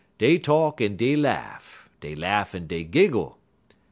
Dey talk en dey laff; dey laff en dey giggle.